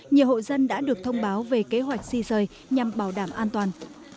nhiều hộ dân đã được thông báo về kế hoạch di rời nhằm bảo đảm an toàn